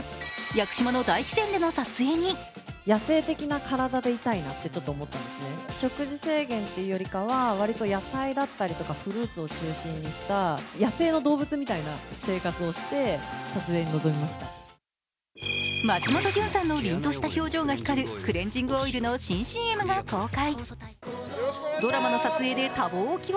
屋久島の大自然での撮影に松本潤さんの凜とした表情が光るクレンジングオイルの新ＣＭが解禁。